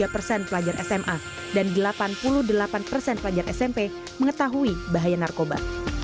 tiga persen pelajar sma dan delapan puluh delapan persen pelajar smp mengetahui bahaya narkoba